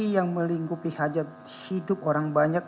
yang melingkupi hajat hidup orang banyak